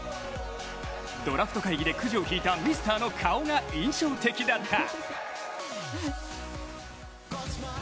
ドラフト会議でくじを引いたミスターの顔が印象的だった。